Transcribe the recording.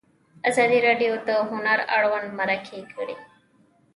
ازادي راډیو د هنر اړوند مرکې کړي.